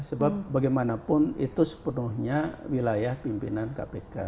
sebab bagaimanapun itu sepenuhnya wilayah pimpinan kpk